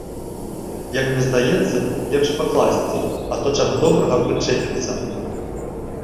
Як мне здаецца, лепш пакласці, а то, чаго добрага, прычэпіцца.